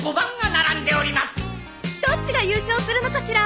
どっちが優勝するのかしら！